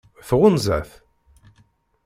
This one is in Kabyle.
Tɣunza-t?